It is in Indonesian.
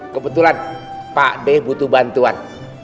kebetulan pak d butuh bantuan